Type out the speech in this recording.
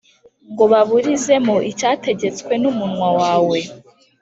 ngo baburizemo icyategetswe n’umunwa wawe,